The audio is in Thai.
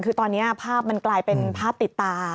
คือตอนนี้ภาพมันกลายเป็นภาพติดตา